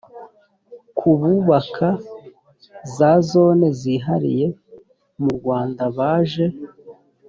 ku bubaka za zone zihariye murwanda baje